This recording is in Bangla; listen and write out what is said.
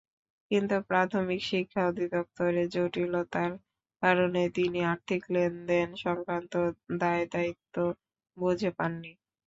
কিন্তু প্রাথমিক শিক্ষা অধিদপ্তরের জটিলতার কারণে তিনি আর্থিক লেনদেন-সংক্রান্ত দায়দায়িত্ব বুঝে পাননি।